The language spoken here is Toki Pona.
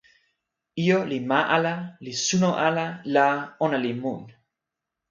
ijo li ma ala li suno ala la, ona li mun.